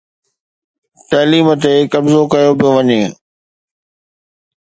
تعليم تي قبضو ڪيو پيو وڃي